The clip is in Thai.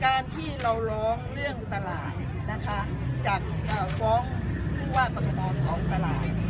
การที่เราร้องเรื่องตลาดนะคะจากฟ้องผู้ว่ากรทม๒ตลาด